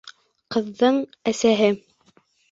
Ҡыҙҙың әсәһе: